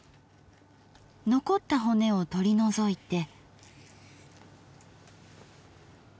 残った骨を取り除いて。